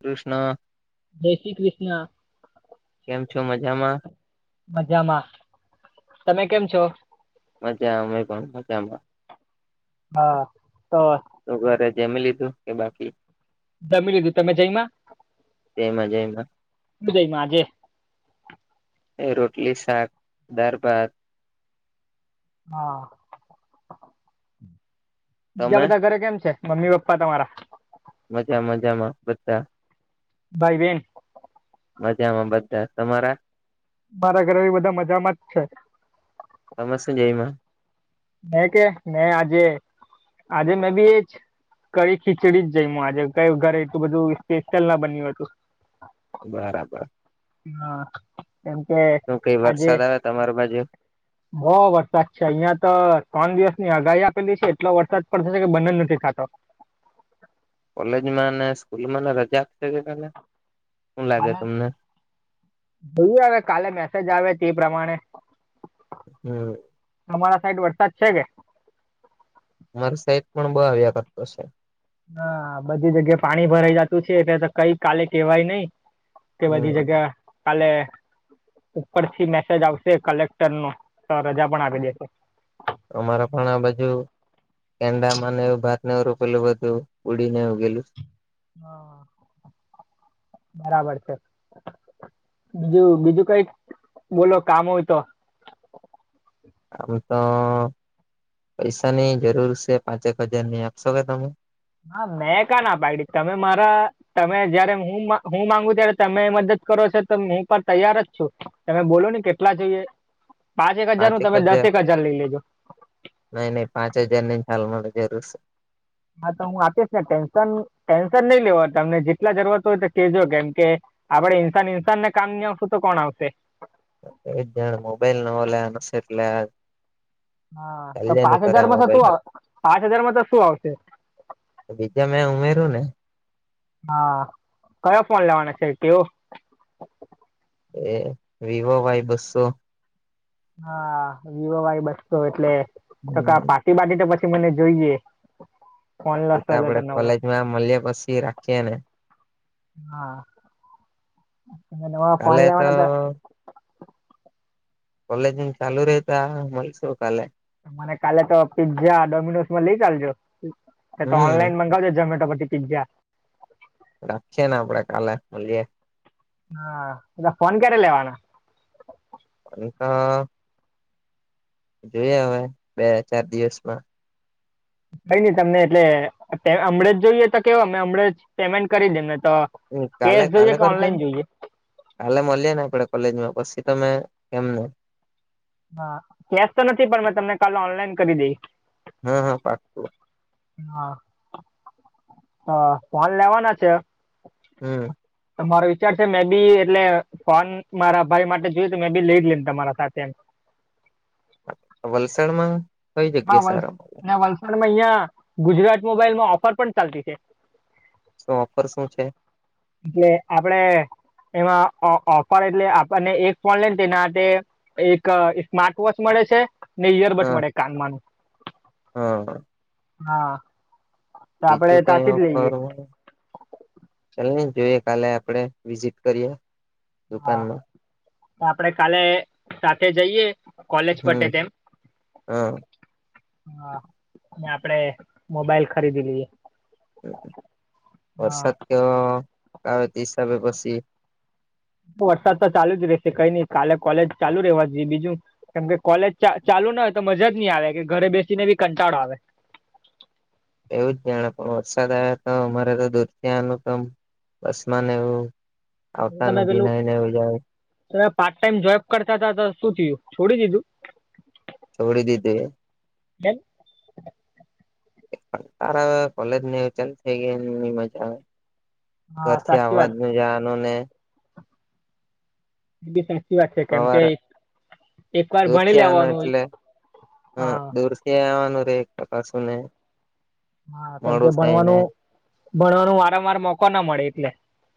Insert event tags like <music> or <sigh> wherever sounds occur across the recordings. કૃષ્ણ. જય શ્રી કૃષ્ણ. કેમ છો મજામાં મજામાં તમે કેમ છો. મજા અમેપણ મજામાં. હા તો, તો ઘરે જેમ લીધું કે બાકી? જમી લીધું તમે જઈમાં જયમાં જયમાં શું જઈમાં આજે? એ રોટલી શાક દારભાત, હા, બીજા તમે બધા ઘરે કેમ છે મમ્મી પપ્પા તમારા? મજા મજામાં બધા, ભાઈ બેન? મજામાં બધા તમારા? મારા ઘરે બી બધા મજામાં જ છે. તમે શું જઈમા? મે કે મે આજે આજે મેં બી એ જ, કડી ખીચડી જ જઈમો આજે કઈ ઘરે એટલું બધું સ્પેશિયલ ના બન્યું હતું, બરાબર, હા એમ કે શું કઈ આજે, વરસાદ આવે તમારી બાજુ બોવ વરસાદ છે અહિયાં, ત્રણ દિવસ ની આગાહી આપેલી છે એટલો વરસાદ પડશે કે બંધ નથી થતો. કોલેજમાં ને સ્કૂલમાં ને રજા આપશે કે કાલે શું લાગે તમને? જોય આવે કાલે મેસેજ આવે તે પ્રમાણે, હમ, અમારા સાઈડ વરસાદ છે કે? મારે સાઈડ પણ બહુ આવ્યા કરતો છે. હા બધી જગ્યા પાણી ભરાઈ જતું છે એટલે તો કઈ કાલે કેહેવાય નઈ. તે બધી હમ જગ્યા, કાલે ઉપરથી મેસેજ આવશે કલેક્ટર નો તો રજા પણ આપ દેશે. અમારા પણ આ બાજુ, કેંડા માંને એવું ભાત ને રોપેલુ બધુ પડી જાય ઉગેલું. હા બરાબર છે. બીજું બીજું કઈ બોલો કામ હોય તો? આમ તો પૈસાની જરૂર છે પાંચેક હજાર ની આપશો કે તમે? હા મેકા ના પાગડી તમે મારા, તમે જયારે હું હું માંગુ ત્યારે તમે મદદ કરો છો તો હું પણ તૈયાર જ છું. તમે બોલો ને કેટલા જોઈએ પાંચ એક હજાર નું પાંચેક તમે દસક હજાર લઈ લેજો, નહી નઈ પાંચ હજાર ને હાલ મને જરૂર છે. હા તો હું આપીશ ને ટેન્શન ટેન્શન નહી લેવા તમને જેટલા જરૂરત હોય તો કેજો કેમ કે, આપડે ઇન્સાન ઇન્સાન ને કામ ની આવશું. તો કોણ આવશે. એ જણ મોબાઈલ ન લ્યા નશે એટલે. હા, તો ચાલ્યા ની પાંચ કરે હાજાર આ માં તો મોબાઈલ તું આવ, હારુ. પાંચ હાજારમાં તો શું આવશે. બીજા મેં ઉમેરુંને. હા, કયો ફોન લેવાના છે. તેઓ? એ, વિવો વાય બસ્સો. હા, વિવો વાય બસો એટલે ટકા હમ પાર્ટી બાટી તો પછી મને જોઈએ. ફોન એટલે તો લેશો આપડે નવો કોલેજમાં મને પછી રાખીએ ને. હા, તમે ફોન કાલે તો લેવાના. કોલેજને ચાલુ <unintelligible> મળીશું કાલે. મને કાલે તો પીઝા, ડોમિનોસમાં લઈ ચાલજો. એ તો હમ ઓનલાઈન મગાવજોમેટો પછી પીઝા. રાખીએે ને આપડે કાલે મળીએ. હા, ફોન કયારે લેવાનો? એ તો. જોઈએ અવે, બે ચાર દિવસમાં. કઈ નહી તમને એટલે હમણાં જ જોઈએ. તો કેવો અં હમજ પેમેન્ટ કરી દે ને તો. કાલે કેશ જોઈએ. કાલે કે કરજે ને ઓનલાઈન જોઈએ? કાલે મળીએ ને આપડે કોલેજ માં પછી તમે કેમ ને. હા, કેશ તો નથી. પણ મેં તમને કાલે ઓનલાઈન કરી દઈ. હા, હા પાછશો. હા, હા ફોન લેવાના છે? હમ..... મારો વિચાર છે. મેબી એટલે. ફોન મારા ભાઈ માટે જોયું. તો મેં બી લઈ લેમ તમારા સાથે એમ. વલસાડમાં. કઈ હા, જગ્યા સારા મળે વ વલસાડમાં અહિયાં ગુજરાત મોબાઈલમાં ઓફર પણ ચાલતી છે. શું ઓફર શું છે? એટલે આપડે એમાં ઓફર એટલે આપને એક ફોન લઈને તેના હોય. એક સ્માર્ટ વોચ મળે છે. ને ઈયરબટ હા મળે કાનમાંનું, હા હા. તો બીજું આપડે કઈ ત્યાંથી જ ઓફર લઈએ હોય. ચાલની જોઈએ કાલે આપડે વિઝિટ કરીએ. હા, દુકાનમાં આપડે કાલે સાથે જઈએ. કોલેજ પટે હમ તેમ. હા હા, અને આપડે મોબાઈલ ખરીદી લીએ. વરસાદ કે કાવતી હિસાબે બસી. વરસાદ તો ચાલુ જ રહેશે. કઈ નઈ કાલે કોલેજ ચાલુ રહેવા જોઈએ બીજું. કેમ કે કોલેજ ચાલુ ના હોય તો મજાજ નહી. આવે કે ઘરે બેસીને બી કંટાળો આવે. એવું જ જાણે પણ વરસાદ આવ્યા. તો અમારે તો દૂર ત્યાનું કમ બસમાંને એવું. આવતાને તમે પેલું ભીનય ન જાય. તમે પાર્ટ ટાઈમ જોબ કરતા હતા, તો શું થીયું છોડી દીધું? છોડી દીધે. કેમ? પણ તારા હ કોલેજ ને ચાલ થઈ ગયા. એની મજા આવે. હા ઘરથી સાચી વાત અવાજનુ જાવાનું ને. એ બી સાચી વાત છે, કેમ કે સવારે ઈ એક વાર ભણી દૂરથી આવવાનું લેવ્વાનું હોય, હા. કે આવાનું રેય ટકાસુને હા, કેમ કે ભણવાનું ભણવાનું વારંવાર મોકો ન મળે એટલે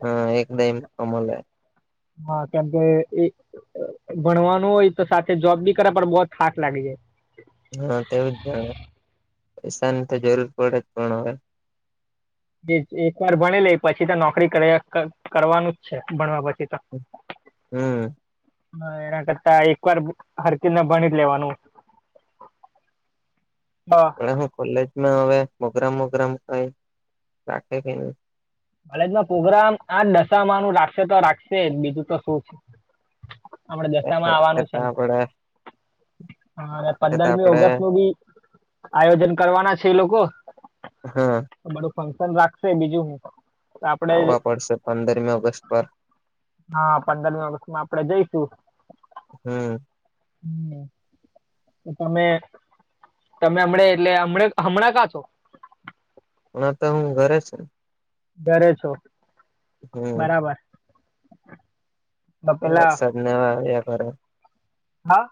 હા એકદમ કમલે હા, કેમ કે એ ભણવાનું ઓય તો સાથે જોબ બી કરે પણ બો થાક લાગી જાય. હાં, તેવું જ જાણે, પૈસાની તો જરૂર પડે જ પણ અવે એજ એકવાર ભણી લેય, પછી તો નોકરી કર્યા ક કરવાનું જ છે, ભણવા પછી તો હમ્. હં, એના કરતા એકવાર હરકી રીતના ભણી જ લેવાનું. <inaudible> પણ હું કોલેજમાં અવે પ્રોગ્રામ બોગ્રામ કંઈ રાખે કે ની? કોલેજમાં પ્રોગ્રામ આ નશામાંનું રાખશે તો રાખશે જ, બીજું તો શું છે! અમણે દશામાં રાખે આવવાનું તો છે આપડે રાખે હા, અરે તો પંદરમી આપડે ઓગસ્ટનું બી આયોજન કરવાના છે એ લોકો હમ્મ. તો બડુ ફંક્શન રાખશે બીજું હુ! આવવા પડશે પંદરમી ઓગસ્ટ પર હા, પંદરમી ઓગસ્ટમાં આપડે જઈશું, હમ હમ્મ. તો તમે, તમે અમણે એટલે અમડે હમણાં કાંછો? અમણા તો હું ઘરે છે ઘરે છો, હમ બરાબર. તો એ પેલા વરસાદને એવા આવ્યા કરે હા!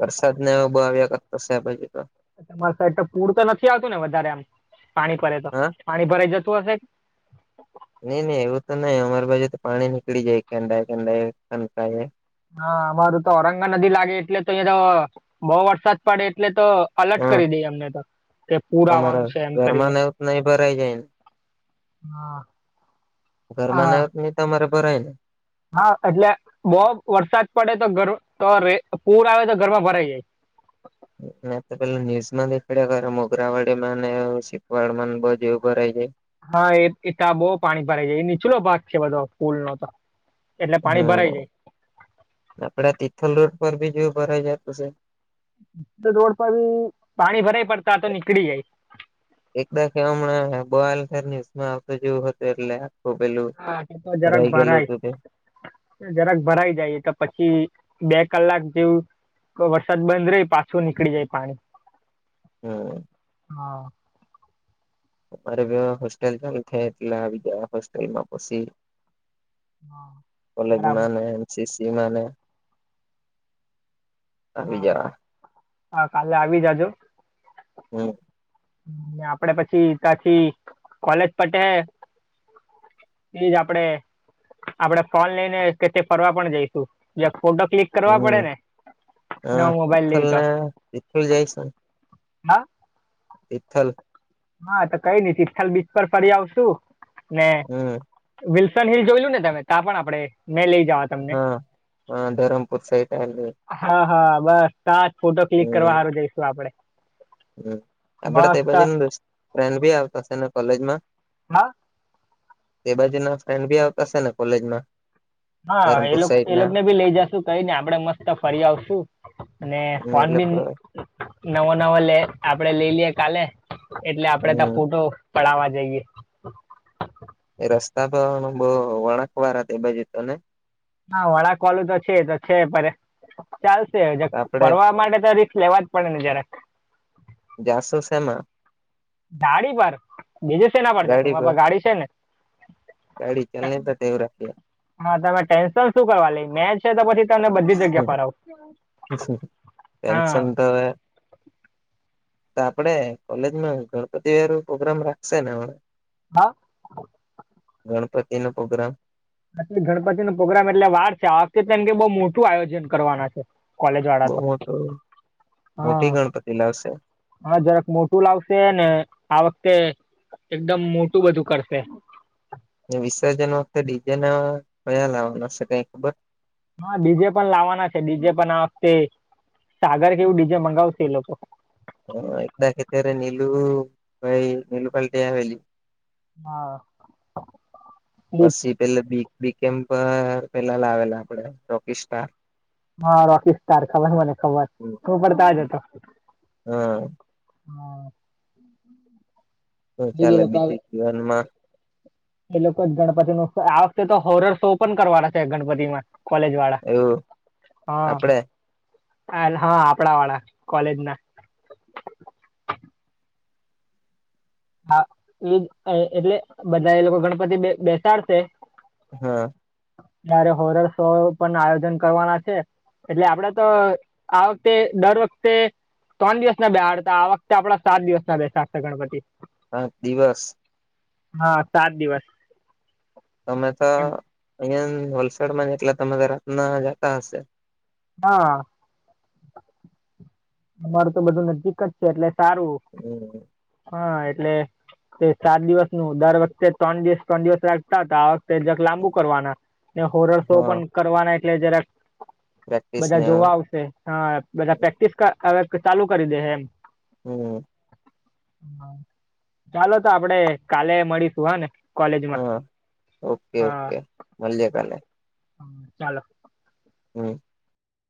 વરસાદને એવુ બો આવ્યા કરતું સે આ બાજુ તો. તમાર સાઈડ તો પૂર તો નથી આવતુને વધારે આમ, પાણી પરે તો, હા પાણી ભરાઈ જતું હશે! ની ની એવું તો નઈ, અમાર બાજુ તો પાણી નીકળી જાય કેંડાઈ કેંડાઈ <unintelligible> હાં, અમારું તો ઔરંગા નદી લાગે એટલે તહીંયા તો, બો વરસાદ પડે એટલે તો અલટ હા કરી દેય અમને તો કે પૂર તમારા આવાનું છે એમ ઘરમાં કરીને. ને એવું તો નહી ભરાઈ જાય ને હા, ઘરમાં હા ના <unintelligible> તમારે ભરાયને? હા, એટલે બો વરસાદ પડે તો ઘર તો રે પૂર આવે તો ઘરમાં ભરાઈ જાય. મે તો પેલા ન્યુઝમાં દેખાડયા કરે મોગરાવાડીમાને શીપવાડમાંન બધે એવુ ભરાઈ જાય. હા, એ એ તાં બો પાણી ભરાઈ જાય, એ નીચલો ભાગ છે બધો પુલનો તો. એટલે પાણી હા, ભરાઈ જાય આપડા તિથલ રોડ પર બી જો ભરાઈ જાતુ સે. તીથલ રોડ પર બી પાણી ભરાઈ પડ તાં તો નીકળી જાય. એક-બે કે અમણે બો હાલ કઈ ન્યુઝ માં આવતું જેવુ હતું એટલે. તો પેલું, હા તે તો જરાક ભરાઈ ગેલુ ભરાય ઉતું તે! જરાક ભરાઈ જાઈ, એ તો પછી બે કલાક જેવું કો વરસાદ બંધ રેયોન, પાછુ નીકળી જાય પાણી. હમ્મ. હંઅ. અમારે બેવે હોસ્ટેલ ચાલુ થાય એટલે આવી જાવા હોસ્ટેલમાં પશી. હા બરાબર કોલેજમાંને એનસીસીનાને હા, અ કાલે આવી જાજો. હમ્મ. હમ્મ, ને આપડે પછી ત્યાંથી કોલેજ પટે તેજઆપડે આપડે ફોન લઈને કે તે ફરવા પણ જઈશું જે ફોટો ક્લિક કરવા હમ પડે ને નવો હા મોબાઈલ તિથલ લઈ તો ને તિથલ જઈશું હા તિથલ હા તો કઈનય તિથલ બીચ પર ફરી આવશુ ને હમ વિલ્સન હિલ જોયલું ને તમે ત્યાં પણ આપણે મેં લઈ જવા તમને હા હ ધરમપુર સાઈટ આવેલું <unintelligible> હા હા બસ તાજ ફોટો ક્લિક કરવા હારું જઈશું આપડે. હ આપડે તય બાજુન ફ્રેન્ડ બી આવતા હશે ને કોલેજમાં? હા એ બાજુના ફ્રેન્ડ ભી આવતા શેને કોલેજમાં? હા એ ધરમપુર લોક સાઈડ એ ના લોકોને ભી લઈ જશુ કઈ નય આપડે મસ્ત ફરી આવશુ. અને એ ફોન બી લોકો નવો નવો લે આપડે લઈએ લિયે કાલે એટલે આપડે તા હમ ફોટો પડાવા જઈએ. એ રસ્તા પણ બોવ વળાંકવારા તે બાજું તો નય? હા વળાંકવાળુ તો છે તો છે ચાલશે આપડે ફરવા માટે તો રી સ્ક લેવા જ પડે ને જરાક જાશું શેમા? ગાડી પર બીજે સેના પર જશું, માર પાહે ગાડી છે ને. ગાડી ચાલને તો તેવું રાખીએ. હા તમે ટેન્શન શું કરવા લઈ મેજ છે તો પછી તને બધી જ જગ્યા ફરાવું, હા. ટેન્શન <inaudible> તો આપડે ગણપતિ હારું પ્રોગ્રામ રાખશે ને હ હા. ગણપતિનો પ્રોગ્રામ આજે ગણપતિનો પ્રોગ્રામ એટલે વાર છે આ વખતેમ કે બઉ મોટું આયોજન કરવાના છે. બહુ કોલેજવાળા તો મોટો હ. મોટી ગણપતિ લાવશે હા જરાક મોટું લાવશે ને આ વખતે એકદમ મોટું બધું કરશે. વિસર્જન વખતે ડીજેના કયા લાવવાના છે કઈ ખબર? હા ડીજે પણ લાવવાના છે ડીજે પણ આ વખતે સાગર કેવું ડીજે મંગાવશે એ લોકો એકદા કે અત્યારે નીલું ભાઈ નીલું પલ્ટી આવેલી હા. ડીજ- પછી પેલે બી, બી કેમ પર પેલા લાવેલા આપડે રોકીસ્ટ્ટાર. હા, રોકીસ્ટાર ખબર મને ખબર હું પણ તાજ હતો. હા હા શું એ જ ચાલે લોકો બીજું જીવનમાં? એ લોકો જ ગણપતિનું આ વખતે તો હોરર શો પણ કરવાના છે ગણપતિમાં. કોલેજવાળા એવું હ. આપડે હ આપડાવાળા કોલેજના. હા એ એ એટલે બધા એ લોકો ગણપતિ બે બેસાડશે હા. <unintelligible> હોરર શો પણ આયોજન કરવાના છે. એટલે આપડે તો આ વખતે દર વખતે ત્રણ દિવસ ના બેહાડતા આ વખતે આપડા સાત દિવસ ના બેસાડશે ગણપતિ. પાંચ દિવસ હા સાત દિવસ. તમે તો એમ. અહિયાં વલસાડમાં જ એટલે તમે રાતના જતા હશે. હા. અમારું તો બધું નજીક જ છે એટલે સારું. હમ્મ. હા એટલે તે સાત દિવસ નું દર વખતે ત્રણ દિવસ ત્રણ દિવસ રાખતા હતા આ વખતે જરા લાંબુ કરવાના. ને હોરર શો હા પણ કરવાના એટલે જરાક પ્રેક્ટિસને બધા જોવા આવશે. હા બધા પ્રેક્ટિસ હવે ચાલુ કરી દે હે એમ. હમ્મ. ચાલો તો આપડે કાલે મળીશું હ ને. કોલેજમાં હા, ઓકે ઓકે મળ્યે કાલેે. હ ચાલો. હમ.